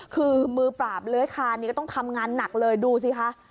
คือมือปราบเลื้อยคานนี้ก็ต้องทำงานหนักเลยดูสิคะ